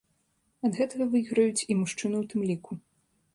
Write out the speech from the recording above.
Ад гэтага выйграюць і мужчыны ў тым ліку.